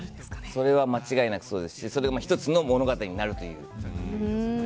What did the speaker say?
それは間違いなくそうですし一つの物語になるという。